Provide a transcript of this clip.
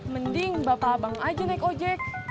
mending bapak abang aja naik ojek